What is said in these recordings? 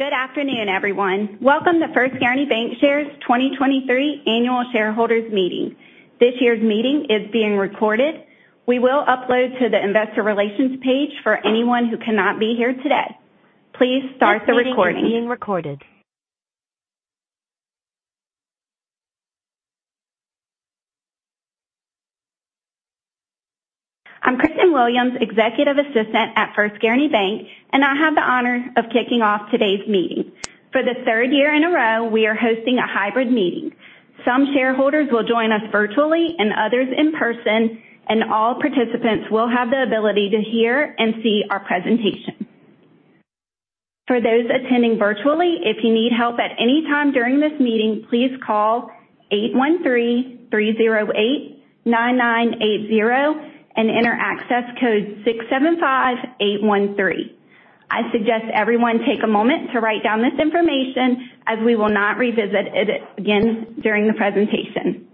Good afternoon, everyone. Welcome to First Guaranty Bancshares 2023 Annual Shareholders Meeting. This year's meeting is being recorded. We will upload to the investor relations page for anyone who cannot be here today. Please start the recording. This meeting is being recorded. I'm Kristin Williams, executive assistant at First Guaranty Bank, and I have the honor of kicking off today's meeting. For the third year in a row, we are hosting a hybrid meeting. Some shareholders will join us virtually and others in person, and all participants will have the ability to hear and see our presentation. For those attending virtually, if you need help at any time during this meeting, please call 813-308-9980 and enter access code 675813. I suggest everyone take a moment to write down this information as we will not revisit it again during the presentation.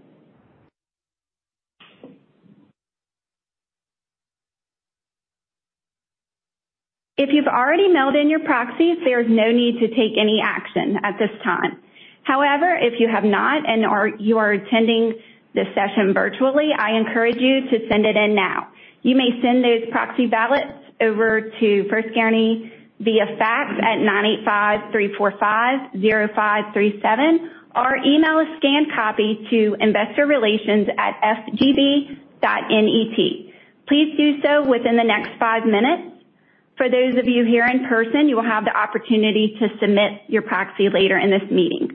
If you've already mailed in your proxies, there is no need to take any action at this time. However, if you have not, and you are attending this session virtually, I encourage you to send it in now. You may send those proxy ballots over to First Guaranty via fax at 985-345-0537, or email a scanned copy to investorrelations@fgb.net. Please do so within the next five minutes. For those of you here in person, you will have the opportunity to submit your proxy later in this meeting.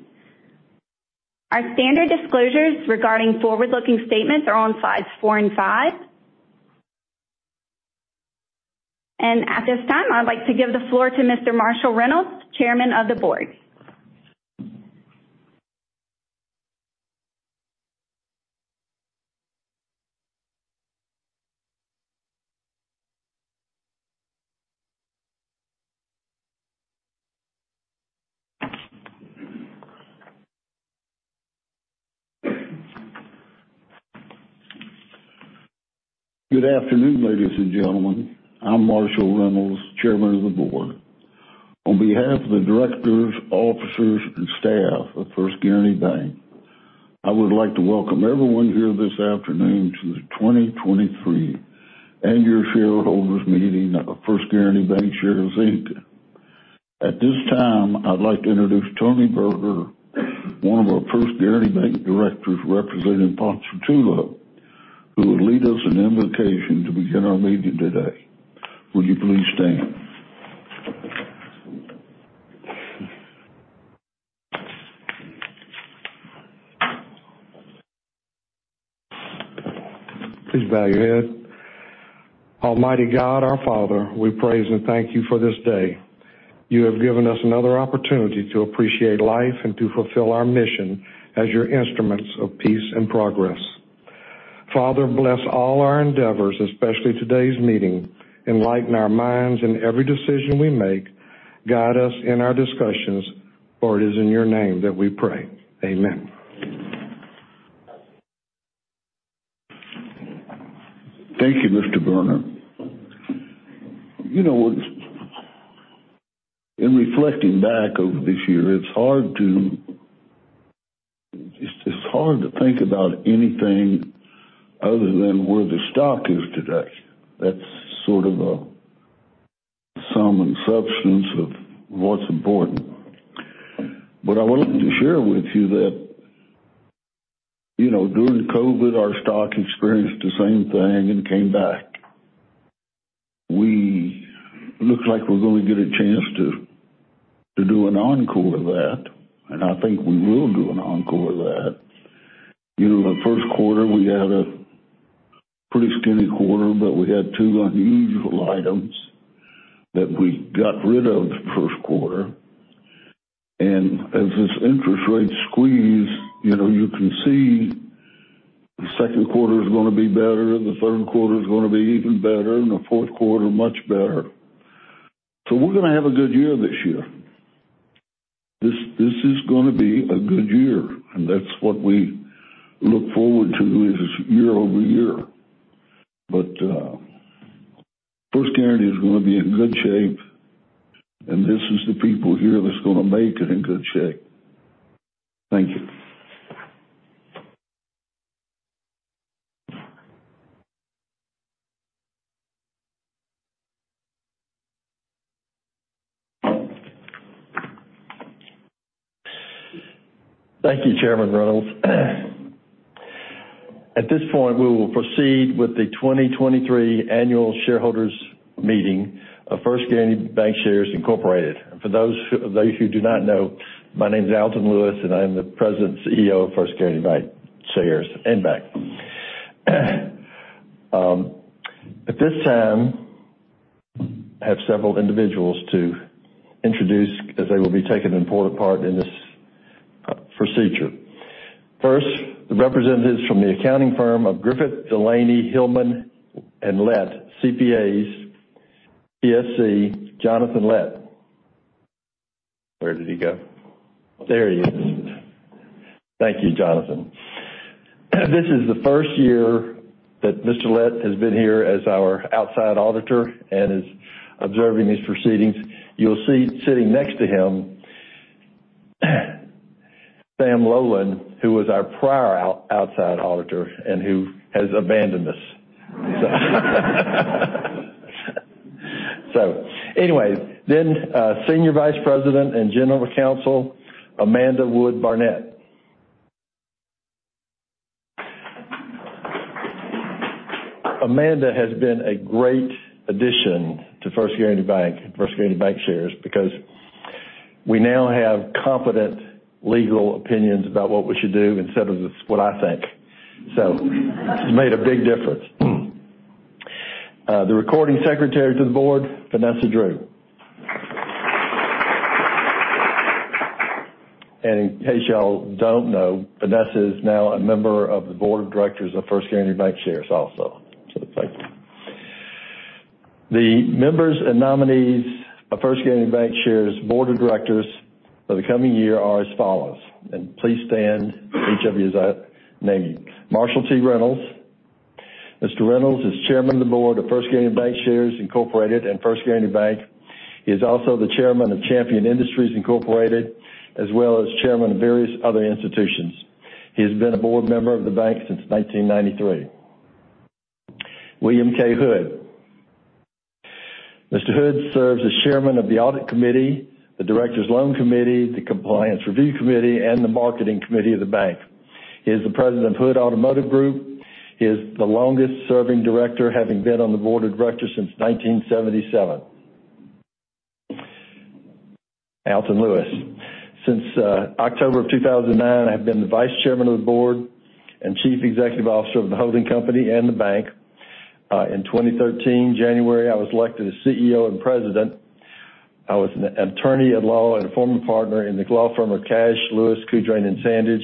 Our standard disclosures regarding forward-looking statements are on slides four and five. At this time, I'd like to give the floor to Mr. Marshall Reynolds, Chairman of the Board. Good afternoon, ladies and gentlemen. I'm Marshall Reynolds, Chairman of the Board. On behalf of the directors, officers, and staff of First Guaranty Bank, I would like to welcome everyone here this afternoon to the 2023 Annual Shareholders Meeting of First Guaranty Bancshares, Inc. At this time, I'd like to introduce Tony Bohner, one of our First Guaranty Bank directors representing Pontotoc, who will lead us in invocation to begin our meeting today. Will you please stand? Please bow your head. Almighty God, our Father, we praise and thank you for this day. You have given us another opportunity to appreciate life and to fulfill our mission as your instruments of peace and progress. Father, bless all our endeavors, especially today's meeting. Enlighten our minds in every decision we make. Guide us in our discussions, for it is in your name that we pray. Amen. Thank you, Mr. Berger. You know, in reflecting back over this year, it's hard to think about anything other than where the stock is today. That's sort of a sum and substance of what's important. I wanted to share with you that, you know, during COVID, our stock experienced the same thing and came back. We look like we're gonna get a chance to do an encore of that, I think we will do an encore of that. You know, the first quarter, we had a pretty skinny quarter, we had 2 unusual items that we got rid of the first quarter. As this interest rate squeeze, you know, you can see the second quarter is gonna be better, the third quarter is gonna be even better, and the fourth quarter much better. We're gonna have a good year this year. This is gonna be a good year, and that's what we look forward to is year-over-year. First Guaranty is gonna be in good shape, and this is the people here that's gonna make it in good shape. Thank you. Thank you, Chairman Reynolds. At this point, we will proceed with the 2023 Annual Shareholders Meeting of First Guaranty Bancshares, Incorporated. For those who do not know, my name is Alton Lewis, and I am the president and CEO of First Guaranty Bancshares and Bank. At this time, I have several individuals to introduce as they will be taking an important part in this procedure. First, the representatives from the accounting firm of Griffith, DeLaney, Hillman & Lett ,CPAs, P.S.C., Jonathan Lett. Where did he go? There he is. Thank you, Jonathan. This is the first year that Mr. Lett has been here as our outside auditor and is observing these proceedings. You'll see sitting next to him, Sam Lowen, who was our prior outside auditor and who has abandoned us. Anyways, Senior Vice President and General Counsel, Amanda Wood Barnett. Amanda has been a great addition to First Guaranty Bank, First Guaranty Bancshares, because we now have competent legal opinions about what we should do instead of just what I think. She's made a big difference. The Recording Secretary to the Board, Vanessa Drew. In case y'all don't know, Vanessa is now a member of the board of directors of First Guaranty Bancshares also. Thank you. The members and nominees of First Guaranty Bancshares Board of Directors for the coming year are as follows. Please stand, each of you as I name you. Marshall T. Reynolds. Mr. Reynolds is Chairman of the Board of First Guaranty Bancshares, Incorporated and First Guaranty Bank. He is also the chairman of Champion Industries Incorporated, as well as chairman of various other institutions. He has been a board member of the bank since 1993. William K. Hood. Mr. Hood serves as chairman of the Audit Committee, the Directors Loan Committee, the Compliance Review Committee, and the Marketing Committee of the bank. He is the president of Bill Hood Automotive Group. He is the longest-serving director, having been on the board of directors since 1977. Alton Lewis. Since October of 2009, I have been the vice chairman of the board and chief executive officer of the holding company and the bank. In 2013, January, I was elected as CEO and president. I was an attorney at law and a former partner in the law firm of Cashe, Lewis, Coudrain & Sandage.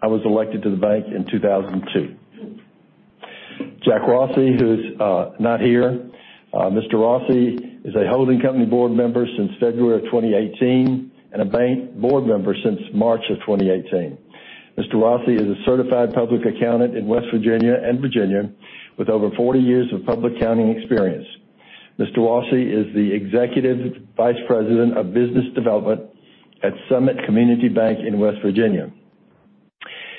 I was elected to the bank in 2002. Jack Rossi, who is not here. Mr. Rossi is a holding company board member since February 2018 and a bank board member since March 2018. Mr. Rossi is a certified public accountant in West Virginia and Virginia with over 40 years of public accounting experience. Mr. Rossi is the Executive Vice President of Business Development at Summit Community Bank in West Virginia.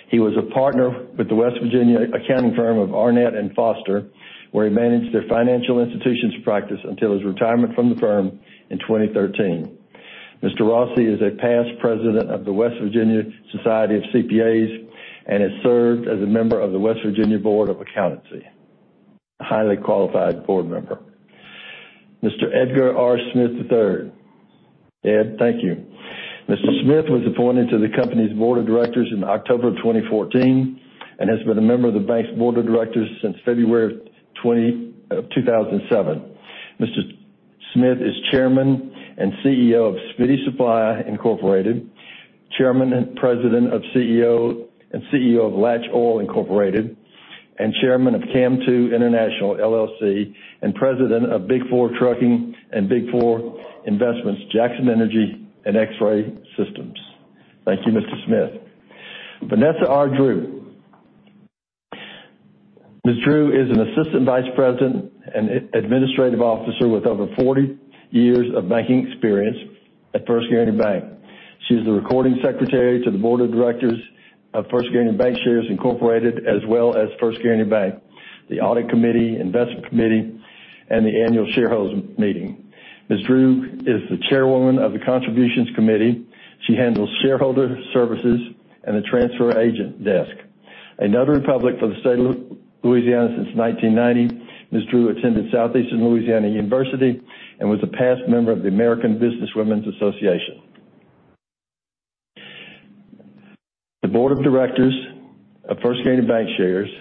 He was a partner with the West Virginia accounting firm of Arnett and Foster, where he managed their financial institutions practice until his retirement from the firm in 2013. Mr. Rossi is a past president of the West Virginia Society of CPAs and has served as a member of the West Virginia Board of Accountancy. A highly qualified board member. Mr. Edgar R. Smith III. Ed, thank you. Smith was appointed to the company's board of directors in October of 2014 and has been a member of the bank's board of directors since February of 2007. Mr. Smith is Chairman and CEO of Speedy Supply Incorporated, Chairman and President and CEO of Latch Oil, Inc., and Chairman of CAM2 International, LLC, and President of Big Four Trucking and Big Four Investments, Jackson Energy and X-Ray Systems. Thank you, Mr. Smith. Vanessa R. Drew. Ms. Drew is an Assistant Vice President and Administrative Officer with over 40 years of banking experience at First Guaranty Bank. She is the recording secretary to the board of directors of First Guaranty Bancshares, Incorporated, as well as First Guaranty Bank, the Audit Committee, investment committee, and the annual shareholder meeting. Ms. Drew is the chairwoman of the contributions committee. She handles shareholder services and the transfer agent desk. A notary public for the state of Louisiana since 1990, Ms. Drew attended Southeastern Louisiana University and was a past member of the American Business Women's Association. The board of directors of First Guaranty Bancshares,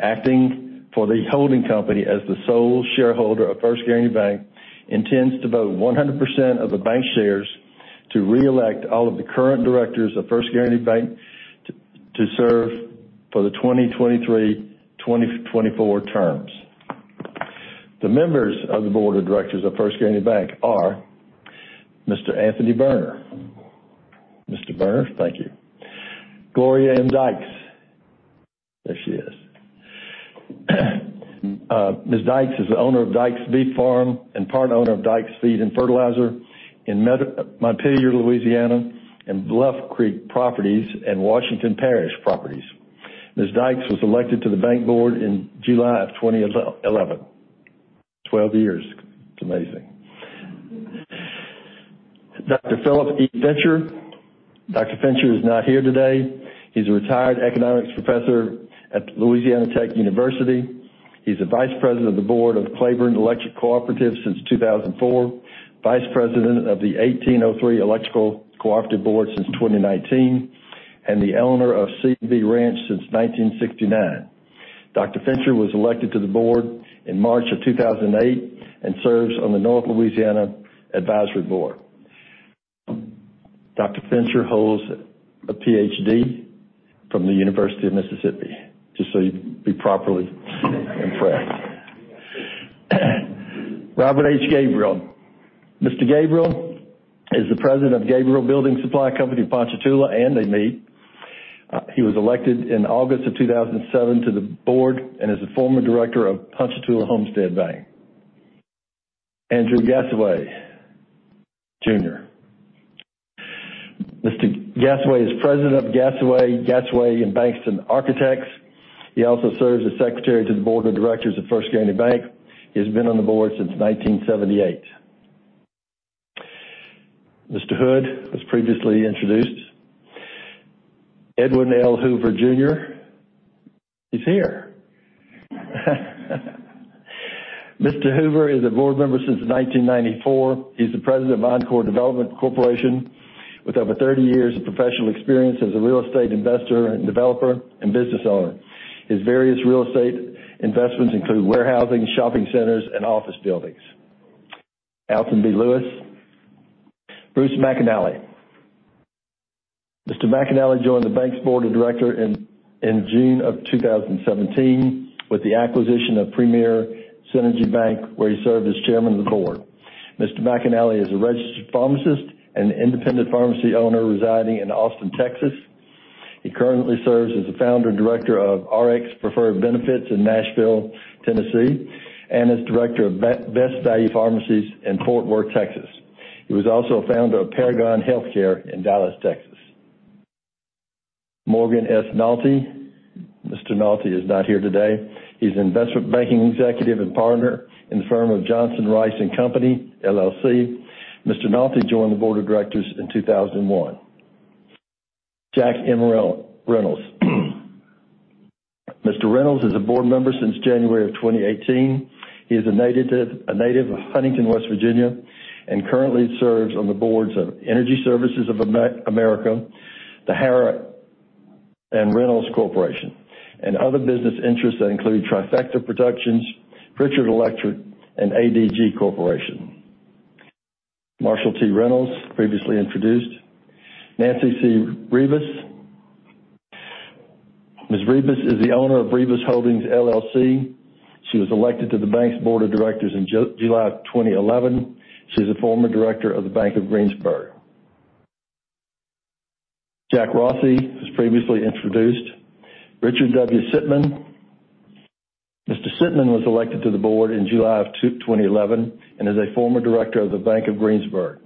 acting for the holding company as the sole shareholder of First Guaranty Bank, intends to vote 100% of the bank shares to reelect all of the current directors of First Guaranty Bank to serve for the 2023/2024 terms. The members of the board of directors of First Guaranty Bank are Mr. Anthony Bohner. Mr. Bohner, thank you. Gloria Ann Dykes. There she is. Ms. Dykes is the owner of Dykes Beef Farm and part owner of Dykes Feed and Fertilizer in Montpelier, Louisiana, and Bluff Creek Properties and Washington Parish Properties. Ms. Dykes was elected to the bank board in July of 2011. 12 years. It's amazing. Dr. Phillip E. Fincher. Dr. Fincher is not here today. He's a retired economics professor at Louisiana Tech University. He's the Vice President of the board of Claiborne Electric Cooperative since 2004, Vice President of the 1803 Electrical Cooperative Board since 2019, and the owner of CV Ranch since 1969. Dr. Fincher was elected to the board in March of 2008 and serves on the North Louisiana Advisory Board. Dr. Fincher holds a PhD from the University of Mississippi, just so you'd be properly impressed. Robert H. Gabriel. Mr. Gabriel is the President of Gabriel Building Supply Company, Ponchatoula, and a meet. He was elected in August of 2007 to the board and is a former director of Ponchatoula Homestead Bank. Andrew Gasaway Jr. Mr. Gasaway is President of Gasaway Gasaway Bankston Architects. He also serves as Secretary to the Board of Directors of First Guaranty Bank. He's been on the board since 1978. Mr. Hood was previously introduced. Edwin L. Hoover Jr. He's here. Mr. Hoover is a board member since 1994. He's the President of Encore Development Corporation, with over 30 years of professional experience as a real estate investor and developer and business owner. His various real estate investments include warehousing, shopping centers, and office buildings. Alton B. Lewis. Bruce Mclnnis. Mr. Mclnnis joined the bank's board of director in June of 2017 with the acquisition of Synergy Bank, where he served as chairman of the board. Mr. McIna is a registered pharmacist and independent pharmacy owner residing in Austin, Texas. He currently serves as the founder and director of RxPreferred Benefits in Nashville, Tennessee, and is director of Best Value Pharmacies in Fort Worth, Texas. He was also a founder of Paragon Healthcare in Dallas, Texas. Morgan S. Nalty. Mr. Nalty is not here today. He's an investment banking executive and partner in the firm of Johnson Rice & Company, LLC. Mr. Nalty joined the board of directors in 2001. Jack M. Reynolds. Mr. Reynolds is a board member since January of 2018. He is a native of Huntington, West Virginia, and currently serves on the boards of Energy Services of America, the Harrah & Reynolds Corporation, and other business interests that include Trifecta Productions, Pritchard Electric, and ADG Corporation. Marshall T. Reynolds, previously introduced. Nancy C. Ribas. Ms. Ribas is the owner of Ribas Holdings, LLC. She was elected to the bank's board of directors in July of 2011. She's a former director of the Bank of Greensburg. Jack Rossi, who was previously introduced. Richard W. Sitman. Mr. Sitman was elected to the board in July of 2011 and is a former director of the Bank of Greensburg.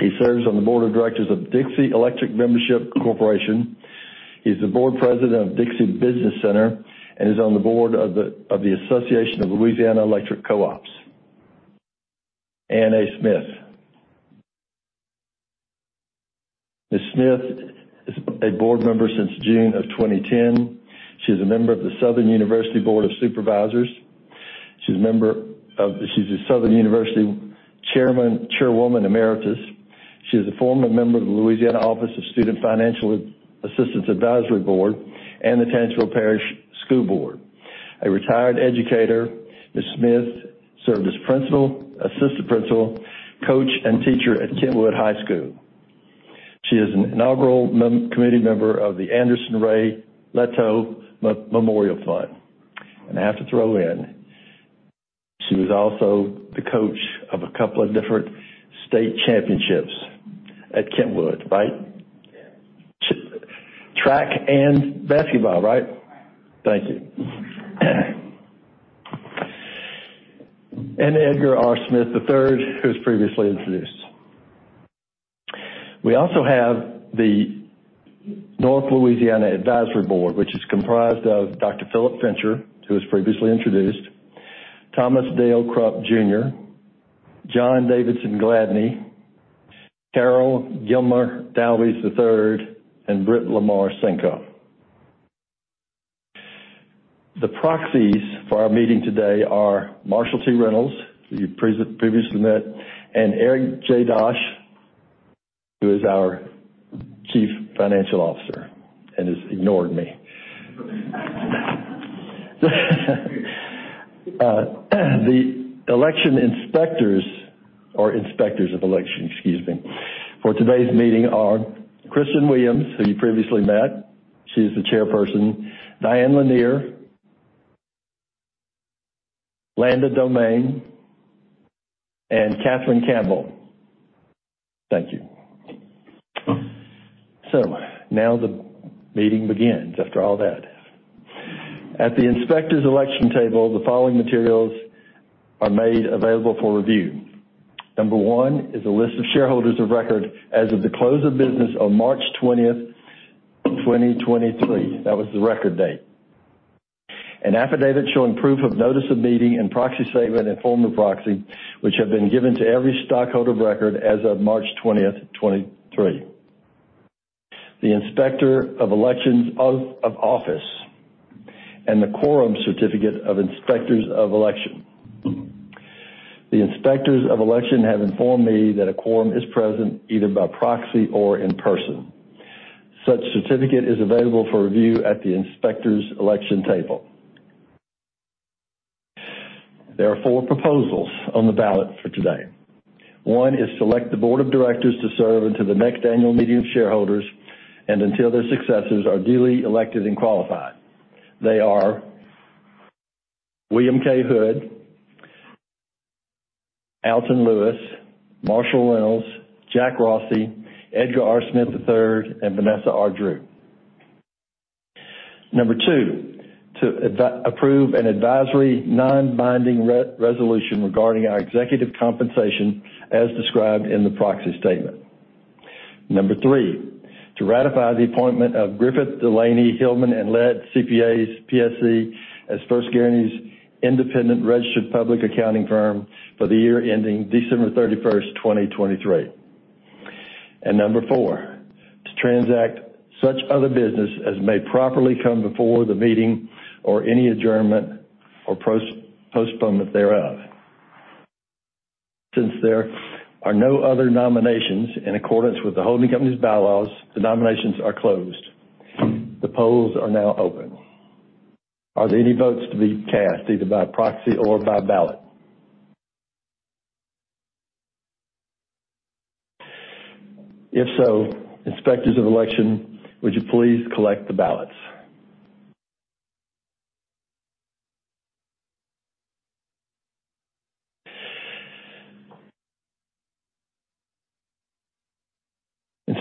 He serves on the board of directors of Dixie Electric Membership Corporation. He's the board president of Dixie Business Development Center and is on the board of the Association of Louisiana Electric Co-ops. Ann A. Smith. Ms. Smith is a board member since June of 2010. She is a member of the Southern University Board of Supervisors. She's a Southern University chairwoman emeritus. She is a former member of the Louisiana Office of Student Financial Assistance Advisory Board and the Tangipahoa Parish School Board. A retired educator, Ms. Smith served as principal, assistant principal, coach, and teacher at Kentwood High Magnet School. She is an inaugural committee member of the Anderson Ray Leto Memorial Fund. I have to throw in, she was also the coach of a couple of different state championships at Kentwood, right? Yeah. Track and basketball, right? Thank you. Edgar R. Smith III, who was previously introduced. We also have the North Louisiana Advisory Board, which is comprised of Dr. Phillip Fincher, who was previously introduced, Thomas Dale Crump Jr, John Davidson Gladney, Terrell Gilmer Dalve III, and Brittain Lamar Sentell. The proxies for our meeting today are Marshall T. Reynolds, who you previously met, and Eric J. Dosch, who is our Chief Financial Officer and has ignored me. The election inspectors or inspectors of election, excuse me, for today's meeting are Kristin Williams, who you previously met, she is the Chairperson, Diane Lanier, Landa Domangue, and Katherine Campbell. Thank you. Now the meeting begins after all that. At the inspectors election table, the following materials are made available for review. Number one is a list of shareholders of record as of the close of business on March 20th, 2023. That was the record date. An affidavit showing proof of notice of meeting and proxy statement and form of proxy, which have been given to every stockholder of record as of March 20th, 2023. The Inspector of Elections of Office and the Quorum Certificate of Inspectors of Election. The Inspectors of Election have informed me that a quorum is present either by proxy or in person. Such certificate is available for review at the inspectors election table. There are 4 proposals on the ballot for today. 1 is select the board of directors to serve until the next annual meeting of shareholders and until their successors are duly elected and qualified. They are William K. Hood, Alton Lewis, Marshall Reynolds, Jack Rossi, Edgar R. Smith III, and Vanessa R. Drew. Number two, to approve an advisory non-binding re-resolution regarding our executive compensation as described in the proxy statement. Number three, to ratify the appointment of Griffith, DeLaney, Hillman & Lett CPAs P.S.C. as First Guaranty's independent registered public accounting firm for the year ending December 31st, 2023. Number four, to transact such other business as may properly come before the meeting or any adjournment or postponement thereof. Since there are no other nominations in accordance with the holding company's bylaws, the nominations are closed. The polls are now open. Are there any votes to be cast either by proxy or by ballot? If so, inspectors of election, would you please collect the ballots?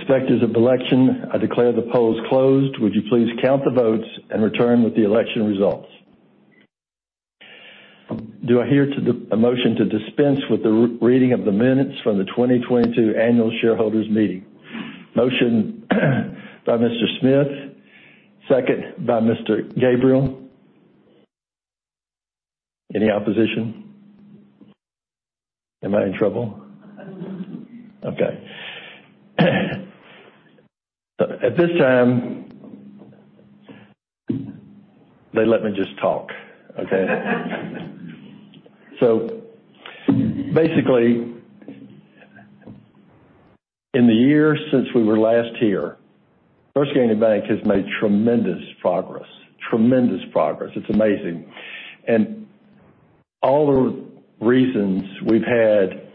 Inspectors of election, I declare the polls closed. Would you please count the votes and return with the election results? Do I hear a motion to dispense with the reading of the minutes from the 2022 annual shareholders meeting? Motion by Mr. Smith. Second by Mr. Gabriel. Any opposition? Am I in trouble? Okay. At this time, they let me just talk. Okay? Basically, in the year since we were last here, First Guaranty Bank has made tremendous progress. It's amazing. All the reasons we've had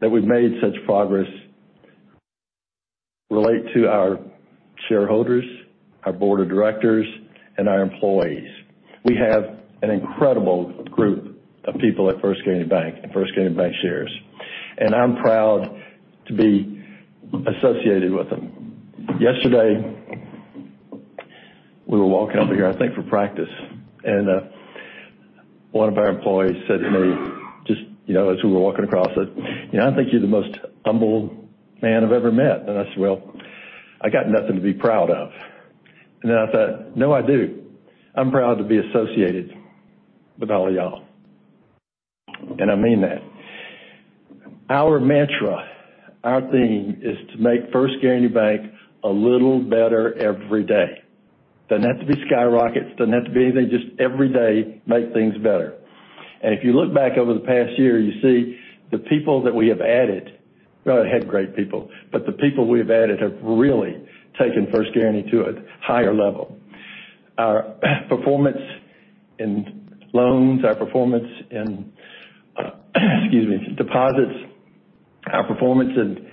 that we've made such progress relate to our shareholders, our board of directors, and our employees. We have an incredible group of people at First Guaranty Bank and First Guaranty Bancshares, and I'm proud to be associated with them. Yesterday, we were walking over here, I think, for practice, one of our employees said to me, just, you know, as we were walking across, "You know, I think you're the most humble man I've ever met." I said, "Well, I got nothing to be proud of." I thought, "No, I do. I'm proud to be associated with all of y'all." I mean that. Our mantra, our theme is to make First Guaranty Bank a little better every day. Doesn't have to be skyrockets, doesn't have to be anything, just every day, make things better. If you look back over the past year, you see the people that we have added. We already had great people, but the people we have added have really taken First Guaranty to a higher level. Our performance in loans, our performance in, excuse me, deposits, our performance in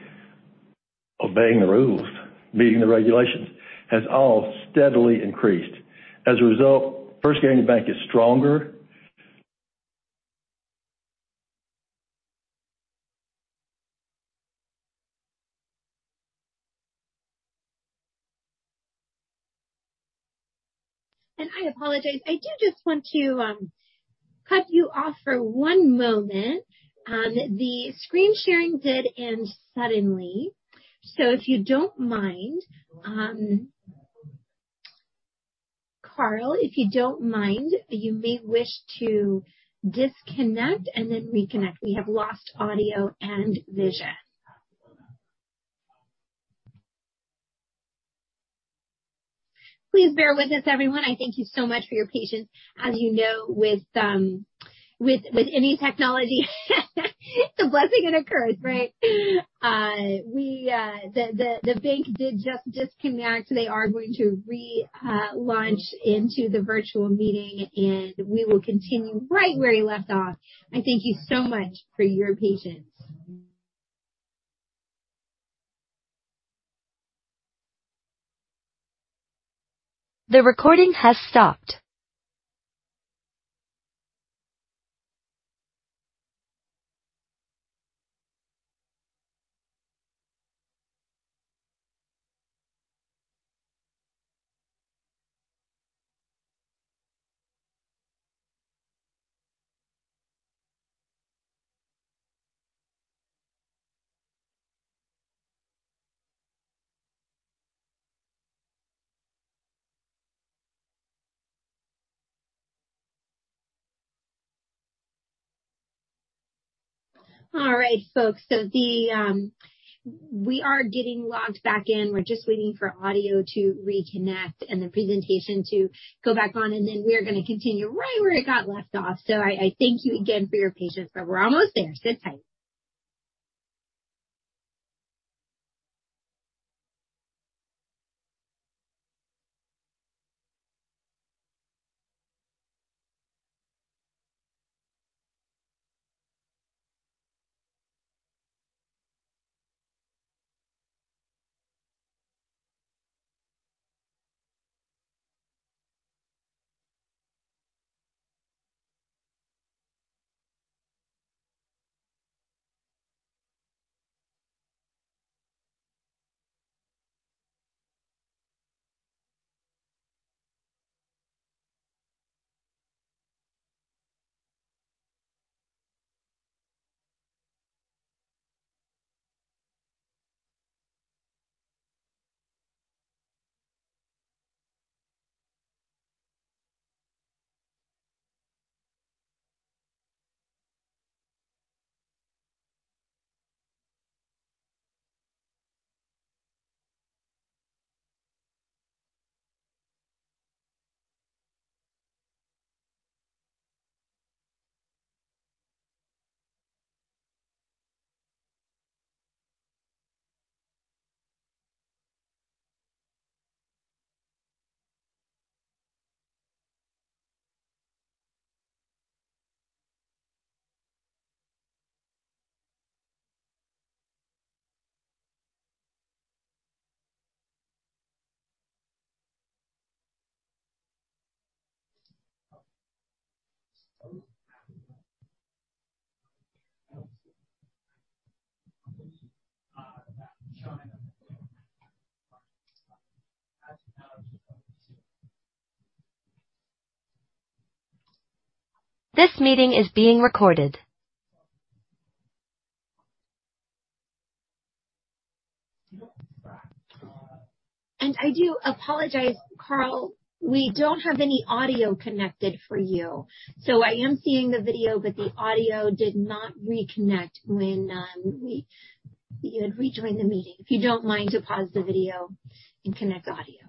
obeying the rules, meeting the regulations, has all steadily increased. As a result, First Guaranty Bank is stronger-. I apologize. I do just want to cut you off for one moment. The screen sharing did end suddenly. If you don't mind, Carl, if you don't mind, you may wish to disconnect and then reconnect. We have lost audio and vision. Please bear with us, everyone. I thank you so much for your patience. As you know, with any technology, it's a blessing and a curse, right? We, the bank did just disconnect. They are going to relaunch into the virtual meeting, and we will continue right where you left off. I thank you so much for your patience. The recording has stopped. All right, folks. The, we are getting logged back in. We're just waiting for audio to reconnect and the presentation to go back on, we are gonna continue right where it got left off. I thank you again for your patience, we're almost there. Sit tight. This meeting is being recorded. I do apologize, Carl. We don't have any audio connected for you, so I am seeing the video, but the audio did not reconnect when you had rejoined the meeting. If you don't mind to pause the video and connect audio.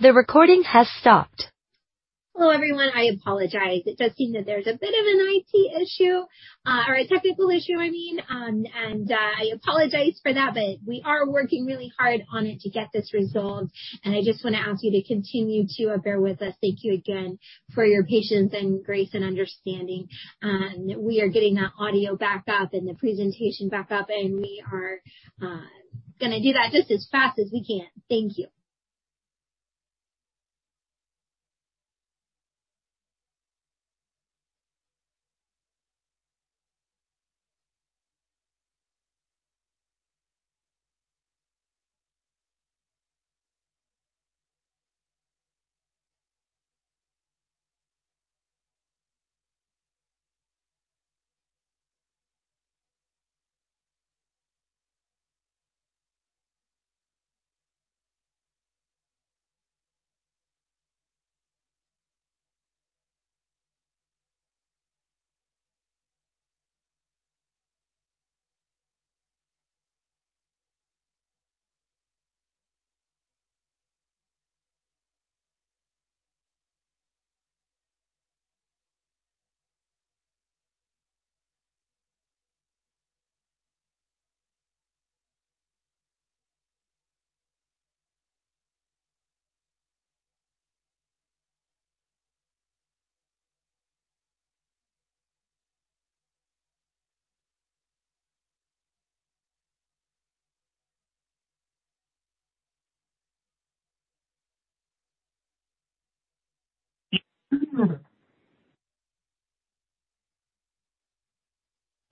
The recording has stopped. Hello, everyone. I apologize. It does seem that there's a bit of an IT issue, or a technical issue, I mean. I apologize for that, but we are working really hard on it to get this resolved. I just wanna ask you to continue to bear with us. Thank you again for your patience and grace and understanding. We are getting that audio back up and the presentation back up, and we are gonna do that just as fast as we can. Thank you.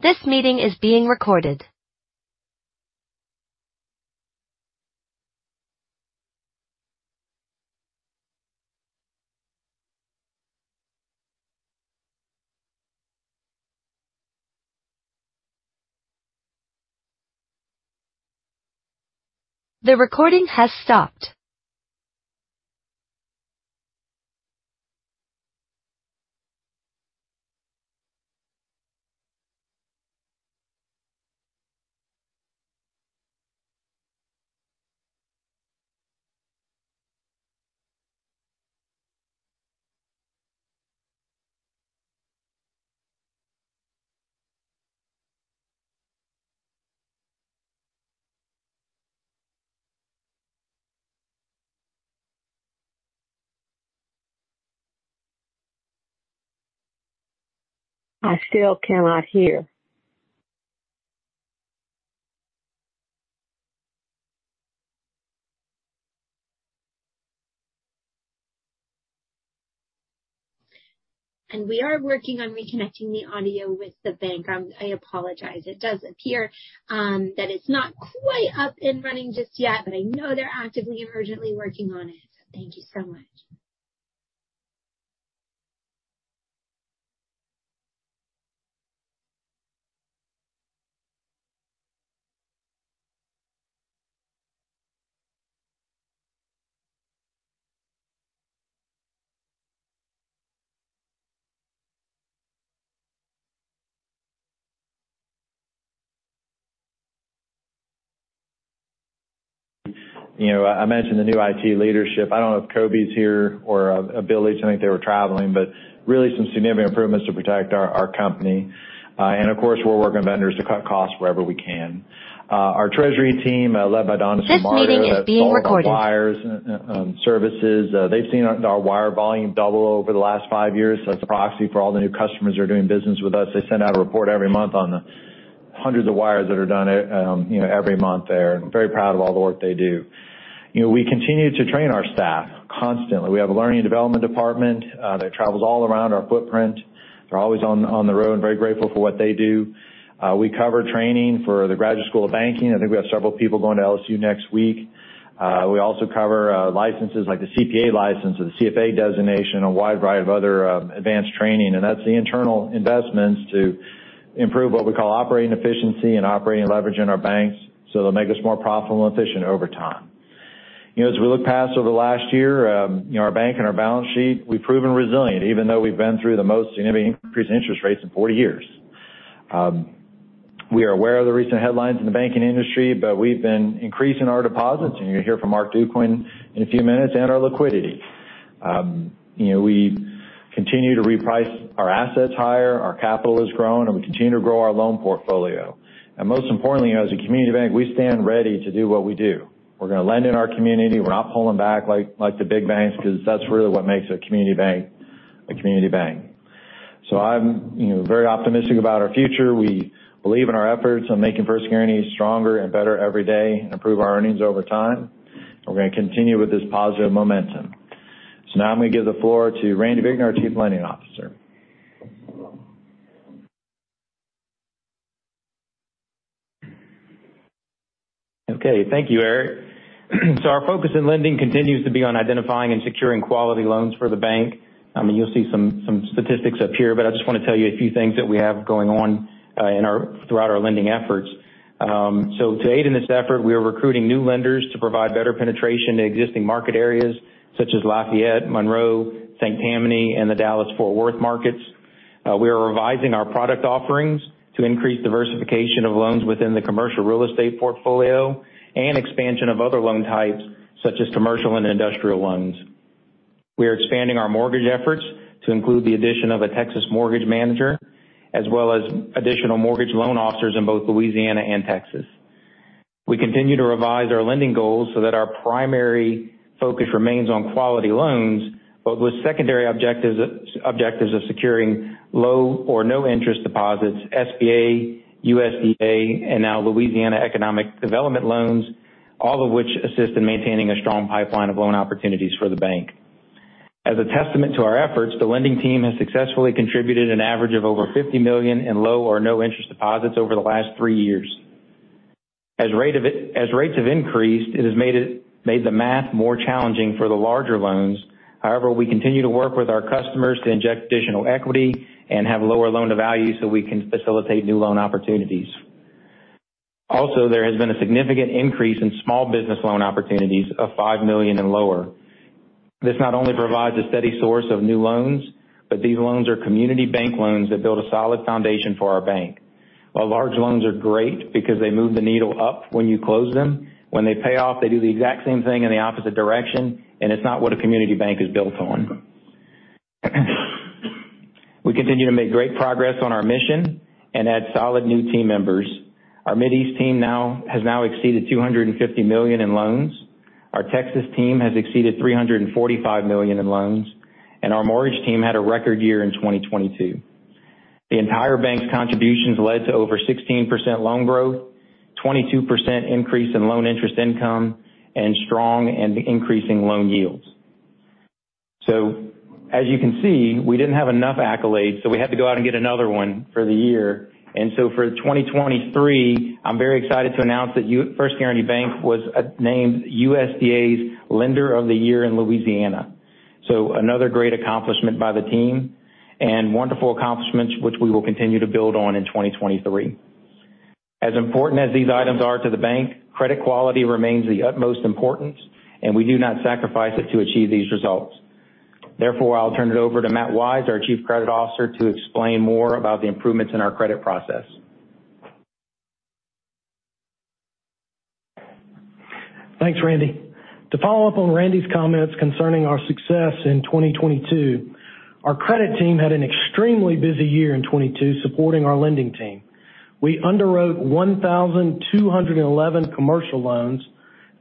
This meeting is being recorded. The recording has stopped. I still cannot hear. We are working on reconnecting the audio with the bank. I apologize. It does appear that it's not quite up and running just yet, but I know they're actively and urgently working on it. Thank you so much. You know, I mentioned the new IT leadership. I don't know if Kobe's here or Billy. I think they were traveling, really some significant improvements to protect our company. Of course, we're working with vendors to cut costs wherever we can. Our treasury team, led by Don Schmardo. This meeting is being recorded. That's all of our wires, services. They've seen our wire volume double over the last five years. That's a proxy for all the new customers that are doing business with us. They send out a report every month on the hundreds of wires that are done, you know, every month there. Very proud of all the work they do. You know, we continue to train our staff constantly. We have a learning development department that travels all around our footprint. They're always on the road. Very grateful for what they do. We cover training for the Graduate School of Banking. I think we have several people going to LSU next week. We also cover licenses like the CPA license or the CFA designation, a wide variety of other advanced training. That's the internal investments to improve what we call operating efficiency and operating leverage in our banks so they'll make us more profitable and efficient over time. You know, as we look past over the last year, you know, our bank and our balance sheet, we've proven resilient even though we've been through the most significant increase in interest rates in 40 years. We are aware of the recent headlines in the banking industry, but we've been increasing our deposits, and you're gonna hear from Mark Ducoing in a few minutes, and our liquidity. You know, we continue to reprice our assets higher, our capital has grown, we continue to grow our loan portfolio. Most importantly, as a community bank, we stand ready to do what we do. We're gonna lend in our community. We're not pulling back like the big banks because that's really what makes a community bank a community bank. I'm, you know, very optimistic about our future. We believe in our efforts on making First Guaranty stronger and better every day and improve our earnings over time. We're gonna continue with this positive momentum. Now I'm gonna give the floor to Randy Vicknair, our Chief Lending Officer. Thank you, Eric. Our focus in lending continues to be on identifying and securing quality loans for the bank. You'll see some statistics up here, but I just wanna tell you a few things that we have going on throughout our lending efforts. To aid in this effort, we are recruiting new lenders to provide better penetration to existing market areas such as Lafayette, Monroe, Saint Tammany, and the Dallas-Fort Worth markets. We are revising our product offerings to increase diversification of loans within the commercial real estate portfolio and expansion of other loan types such as commercial and industrial loans. We are expanding our mortgage efforts to include the addition of a Texas mortgage manager, as well as additional mortgage loan officers in both Louisiana and Texas. We continue to revise our lending goals so that our primary focus remains on quality loans, but with secondary objectives of securing low or no interest deposits, SBA, USDA, and now Louisiana Economic Development loans, all of which assist in maintaining a strong pipeline of loan opportunities for the bank. As a testament to our efforts, the lending team has successfully contributed an average of over $50 million in low or no interest deposits over the last three years. As rates have increased, it has made the math more challenging for the larger loans. However, we continue to work with our customers to inject additional equity and have lower loan-to-value so we can facilitate new loan opportunities. Also, there has been a significant increase in small business loan opportunities of $5 million and lower. This not only provides a steady source of new loans, but these loans are community bank loans that build a solid foundation for our bank, while large loans are great because they move the needle up when you close them. When they pay off, they do the exact same thing in the opposite direction. It's not what a community bank is built on. We continue to make great progress on our mission and add solid new team members. Our Mideast team has now exceeded $250 million in loans. Our Texas team has exceeded $345 million in loans. Our mortgage team had a record year in 2022. The entire bank's contributions led to over 16% loan growth, 22% increase in loan interest income, and strong and increasing loan yields. As you can see, we didn't have enough accolades, so we had to go out and get another one for the year. For 2023, I'm very excited to announce that First Guaranty Bank was named USDA's Lender of the Year in Louisiana. Another great accomplishment by the team and wonderful accomplishments which we will continue to build on in 2023. As important as these items are to the bank, credit quality remains the utmost importance, and we do not sacrifice it to achieve these results. Therefore, I'll turn it over to Matt Wise, our Chief Credit Officer, to explain more about the improvements in our credit process. Thanks, Randy. To follow up on Randy's comments concerning our success in 2022, our credit team had an extremely busy year in 2022 supporting our lending team. We underwrote 1,211 commercial loans,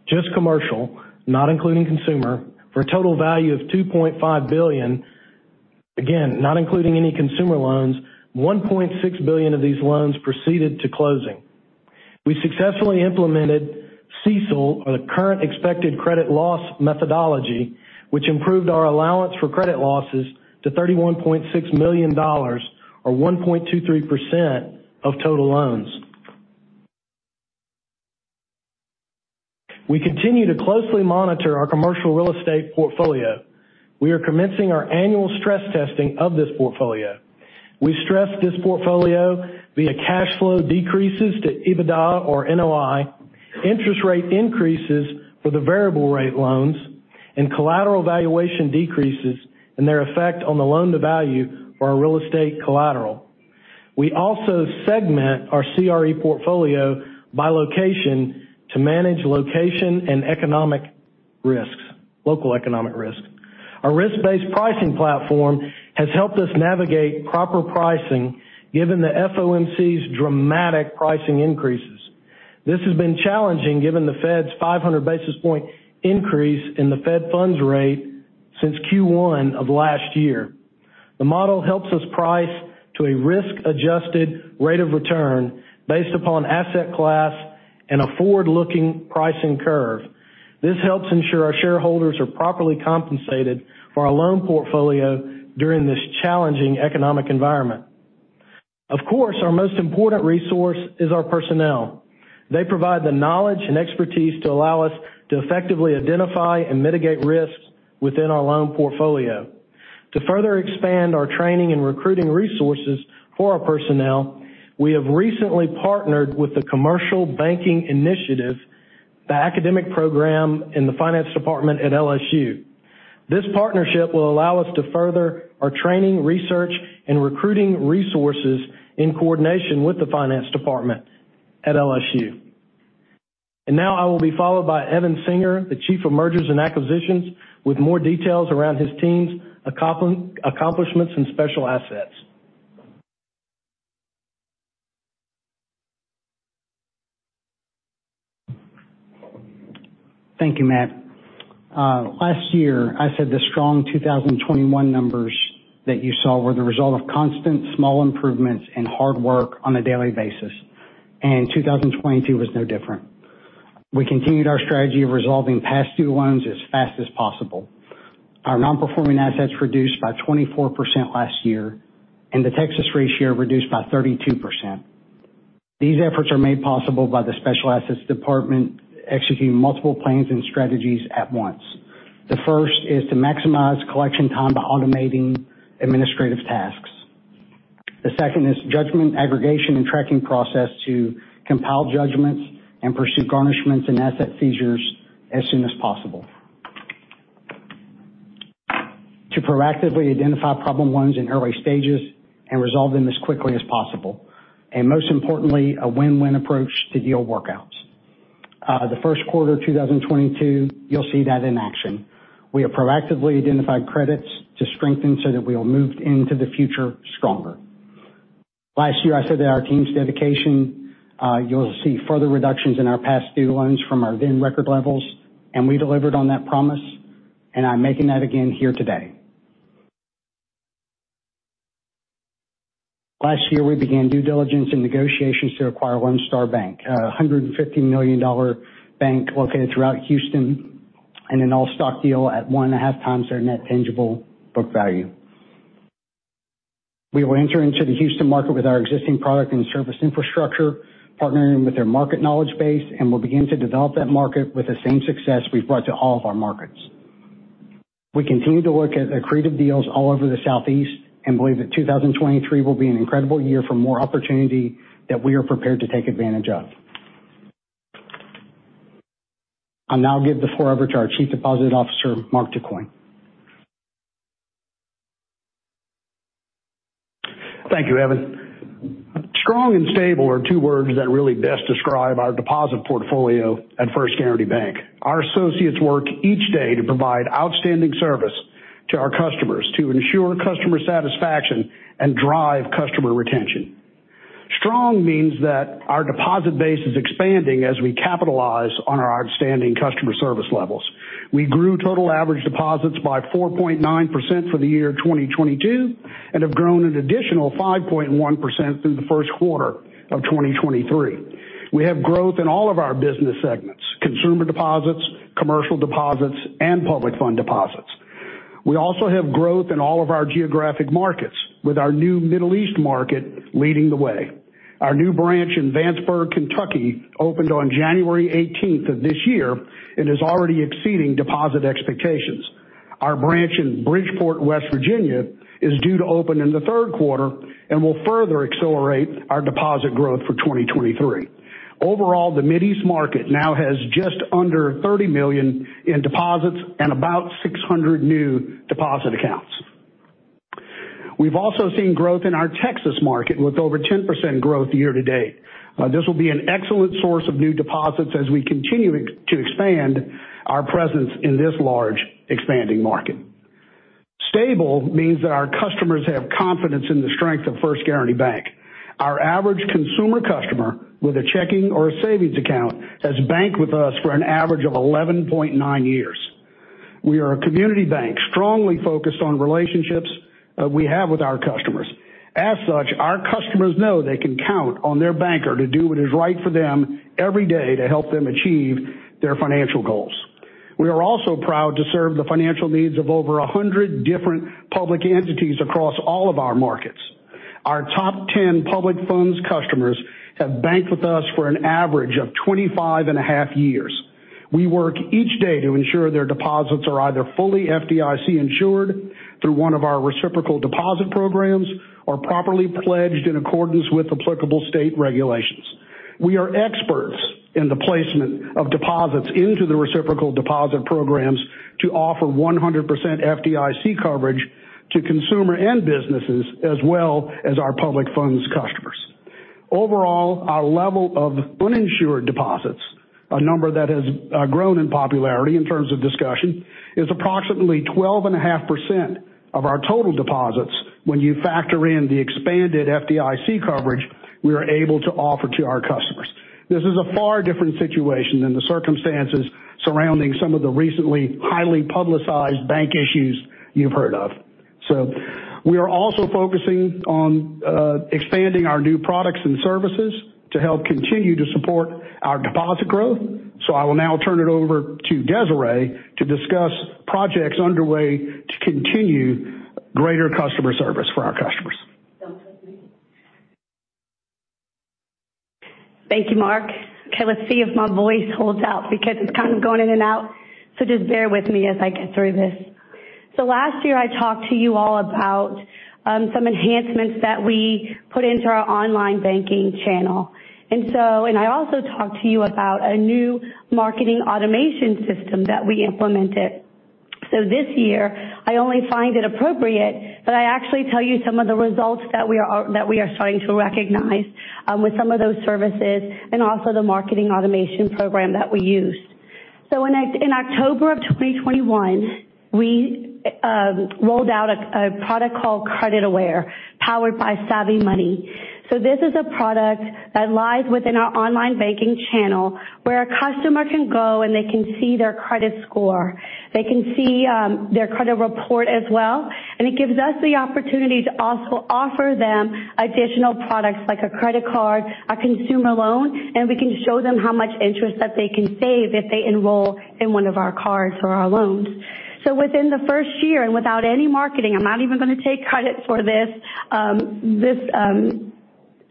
just commercial, not including consumer, for a total value of $2.5 billion. Again, not including any consumer loans, $1.6 billion of these loans proceeded to closing. We successfully implemented CECL, or the Current Expected Credit Losses methodology, which improved our allowance for credit losses to $31.6 million or 1.23% of total loans. We continue to closely monitor our commercial real estate portfolio. We are commencing our annual stress testing of this portfolio. We stress this portfolio via cash flow decreases to EBITDA or NOI, interest rate increases for the variable rate loans, and collateral valuation decreases and their effect on the loan-to-value for our real estate collateral. We also segment our CRE portfolio by location to manage location and economic risks, local economic risks. Our risk-based pricing platform has helped us navigate proper pricing given the FOMC's dramatic pricing increases. This has been challenging given the Fed's 500 basis point increase in the Fed funds rate since Q1 of last year. The model helps us price to a risk-adjusted rate of return based upon asset class and a forward-looking pricing curve. This helps ensure our shareholders are properly compensated for our loan portfolio during this challenging economic environment. Of course, our most important resource is our personnel. They provide the knowledge and expertise to allow us to effectively identify and mitigate risks within our loan portfolio. To further expand our training and recruiting resources for our personnel, we have recently partnered with the Commercial Banking Initiative, the academic program in the finance department at LSU. This partnership will allow us to further our training, research, and recruiting resources in coordination with the finance department at LSU. Now I will be followed by Evan Singer, the Chief of Mergers and Acquisitions, with more details around his team's accomplishments in special assets. Thank you, Matt. Last year, I said the strong 2021 numbers that you saw were the result of constant small improvements and hard work on a daily basis. 2022 was no different. We continued our strategy of resolving past due loans as fast as possible. Our non-performing assets reduced by 24% last year, and the Texas ratio reduced by 32%. These efforts are made possible by the special assets department executing multiple plans and strategies at once. The first is to maximize collection time by automating administrative tasks. The second is judgment aggregation and tracking process to compile judgments and pursue garnishments and asset seizures as soon as possible. To proactively identify problem loans in early stages and resolve them as quickly as possible. Most importantly, a win-win approach to deal workouts. The first quarter of 2022, you'll see that in action. We have proactively identified credits to strengthen so that we'll move into the future stronger. Last year, I said that our team's dedication, you'll see further reductions in our past due loans from our then record levels. We delivered on that promise. I'm making that again here today. Last year, we began due diligence and negotiations to acquire Lone Star Bank, a $150 million bank located throughout Houston, in an all-stock deal at 1.5 times their net tangible book value. We will enter into the Houston market with our existing product and service infrastructure, partnering with their market knowledge base. We'll begin to develop that market with the same success we've brought to all of our markets. We continue to look at accretive deals all over the Southeast and believe that 2023 will be an incredible year for more opportunity that we are prepared to take advantage of. I'll now give the floor over to our Chief Deposit Officer, Mark Ducoing. Thank you, Evan. Strong and stable are two words that really best describe our deposit portfolio at First Guaranty Bank. Our associates work each day to provide outstanding service to our customers to ensure customer satisfaction and drive customer retention. Strong means that our deposit base is expanding as we capitalize on our outstanding customer service levels. We grew total average deposits by 4.9% for the year 2022, and have grown an additional 5.1% through the first quarter of 2023. We have growth in all of our business segments, consumer deposits, commercial deposits, and public fund deposits. We also have growth in all of our geographic markets, with our new Mideast market leading the way. Our new branch in Vanceburg, Kentucky opened on January 18th of this year and is already exceeding deposit expectations. Our branch in Bridgeport, West Virginia, is due to open in the third quarter and will further accelerate our deposit growth for 2023. Overall, the Mideast market now has just under $30 million in deposits and about 600 new deposit accounts. We've also seen growth in our Texas market with over 10% growth year to date. This will be an excellent source of new deposits as we continue to expand our presence in this large expanding market. Stable means that our customers have confidence in the strength of First Guaranty Bank. Our average consumer customer with a checking or a savings account has banked with us for an average of 11.9 years. We are a community bank strongly focused on relationships that we have with our customers. Our customers know they can count on their banker to do what is right for them every day to help them achieve their financial goals. We are also proud to serve the financial needs of over 100 different public entities across all of our markets. Our top 10 public funds customers have banked with us for an average of 25 and a half years. We work each day to ensure their deposits are either fully FDIC insured through one of our reciprocal deposit programs, or properly pledged in accordance with applicable state regulations. We are experts in the placement of deposits into the reciprocal deposit programs to offer 100% FDIC coverage to consumer and businesses as well as our public funds customers. Overall, our level of uninsured deposits, a number that has grown in popularity in terms of discussion, is approximately 12.5% of our total deposits when you factor in the expanded FDIC coverage we are able to offer to our customers. This is a far different situation than the circumstances surrounding some of the recently highly publicized bank issues you've heard of. We are also focusing on expanding our new products and services to help continue to support our deposit growth. I will now turn it over to Desiree to discuss projects underway to continue greater customer service for our customers. Thank you, Mark. Okay, let's see if my voice holds out because it's kind of going in and out. Just bear with me as I get through this. Last year, I talked to you all about some enhancements that we put into our online banking channel. I also talked to you about a new marketing automation system that we implemented. This year, I only find it appropriate that I actually tell you some of the results that we are starting to recognize with some of those services and also the marketing automation program that we use. In October of 2021, we rolled out a product called Credit Aware, powered by SavvyMoney. This is a product that lies within our online banking channel where a customer can go and they can see their credit score. They can see their credit report as well, and it gives us the opportunity to also offer them additional products like a credit card, a consumer loan, and we can show them how much interest that they can save if they enroll in one of our cards or our loans. Within the first year, and without any marketing, I'm not even gonna take credit for this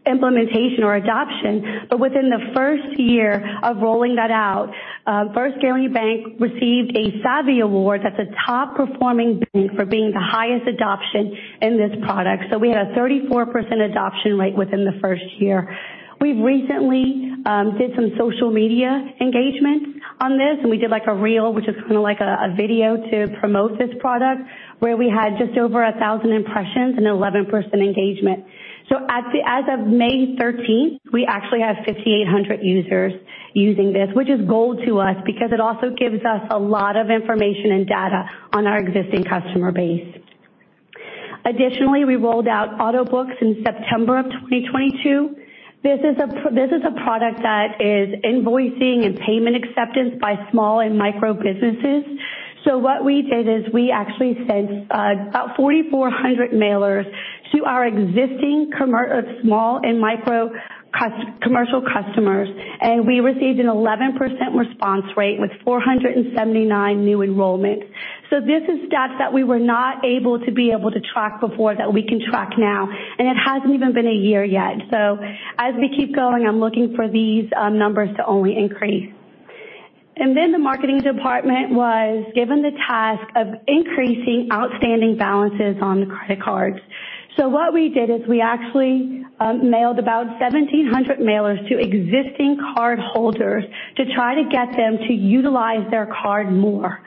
implementation or adoption. Within the first year of rolling that out, First Guaranty Bank received a Savvy Award as a top-performing bank for being the highest adoption in this product. We had a 34% adoption rate within the first year. We've recently did some social media engagement on this, and we did like a reel, which is kind of like a video to promote this product, where we had just over 1,000 impressions and 11% engagement. As of May 13th, we actually have 5,800 users using this, which is gold to us because it also gives us a lot of information and data on our existing customer base. Additionally, we rolled out Autobooks in September of 2022. This is a product that is invoicing and payment acceptance by small and micro businesses. What we did is we actually sent about 4,400 mailers to our existing small and micro commercial customers, and we received an 11% response rate with 479 new enrollments. This is stats that we were not able to be able to track before that we can track now, and it hasn't even been a year yet. As we keep going, I'm looking for these numbers to only increase. The marketing department was given the task of increasing outstanding balances on the credit cards. What we did is we actually mailed about 1,700 mailers to existing cardholders to try to get them to utilize their card more.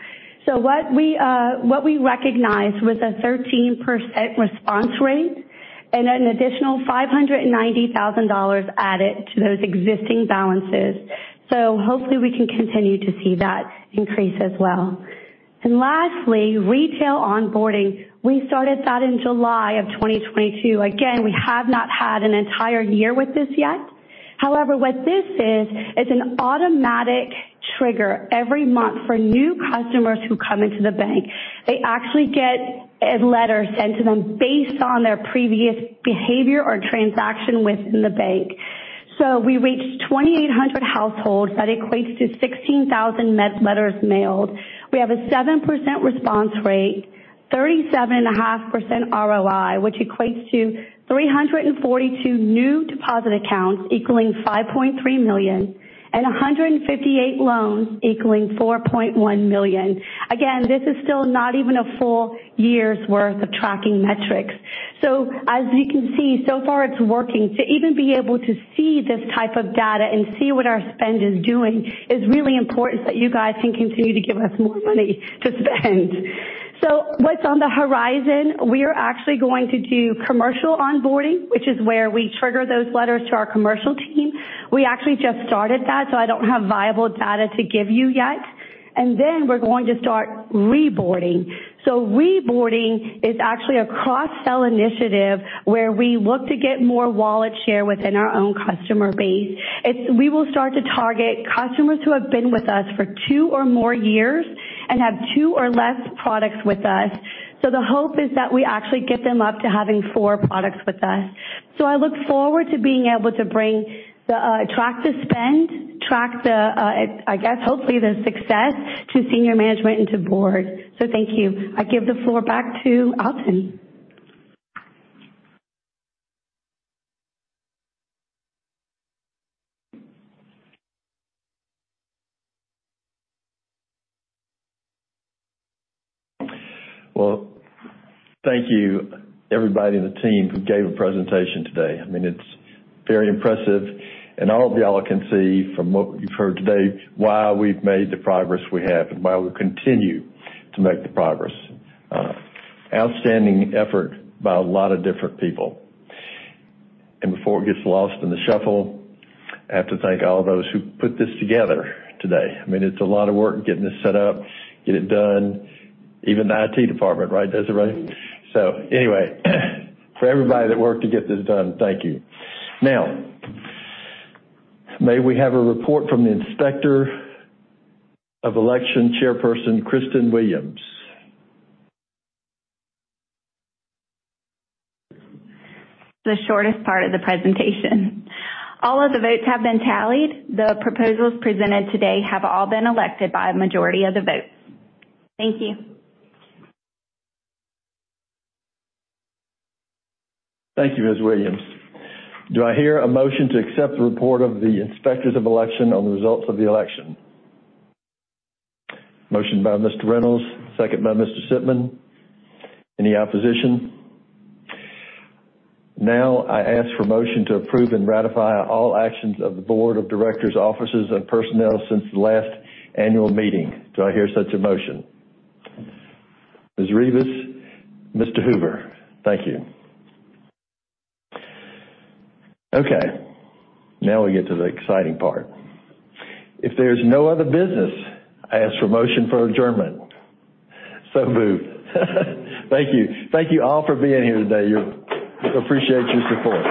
What we recognized was a 13% response rate and an additional $590,000 added to those existing balances. Hopefully, we can continue to see that increase as well. Lastly, retail onboarding. We started that in July of 2022. Again, we have not had an entire year with this yet. What this is an automatic trigger every month for new customers who come into the bank. They actually get a letter sent to them based on their previous behavior or transaction within the bank. We reached 2,800 households. That equates to 16,000 letters mailed. We have a 7% response rate, 37.5% ROI, which equates to 342 new deposit accounts equaling $5.3 million, and 158 loans equaling $4.1 million. This is still not even a full year's worth of tracking metrics. As you can see, so far it's working. To even be able to see this type of data and see what our spend is doing is really important so that you guys can continue to give us more money to spend. What's on the horizon? We are actually going to do commercial onboarding, which is where we trigger those letters to our commercial team. We actually just started that, I don't have viable data to give you yet. We're going to start reboarding. Reboarding is actually a cross-sell initiative where we look to get more wallet share within our own customer base. We will start to target customers who have been with us for two or more years and have two or less products with us. The hope is that we actually get them up to having 4 products with us. I look forward to being able to bring the, track the spend, track the, I guess hopefully the success to senior management and to Board. Thank you. I give the floor back to Alton. Well, thank you everybody in the team who gave a presentation today. I mean, it's very impressive, and all of y'all can see from what you've heard today why we've made the progress we have and why we continue to make the progress. Outstanding effort by a lot of different people. Before it gets lost in the shuffle, I have to thank all of those who put this together today. I mean, it's a lot of work getting this set up, get it done. Even the IT department, right, Desiree? Anyway, for everybody that worked to get this done, thank you. Now, may we have a report from the Inspector of Election Chairperson Kristin Williams. The shortest part of the presentation. All of the votes have been tallied. The proposals presented today have all been elected by a majority of the votes. Thank you. Thank you, Ms. Williams. Do I hear a motion to accept the report of the Inspectors of Election on the results of the election? Motion by Mr. Reynolds, second by Mr. Sitman. Any opposition? I ask for a motion to approve and ratify all actions of the board of directors, offices, and personnel since the last annual meeting. Do I hear such a motion? Ms. Ribas, Mr. Hoover. Thank you. We get to the exciting part. If there's no other business, I ask for motion for adjournment. Moved. Thank you. Thank you all for being here today. Appreciate your support.